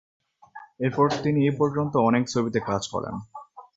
এরপর তিনি এ পর্যন্ত অনেক ছবিতে কাজ করেন।